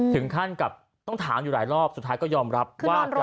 ถึงขั้นกลับต้องถามอยู่หลายรอบสุดท้ายก็ยอมรับว่ากลับมาจากญี่ปุ่น